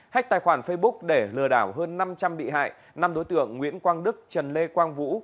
hách tài khoản facebook để lừa đảo hơn năm trăm linh bị hại năm đối tượng nguyễn quang đức trần lê quang vũ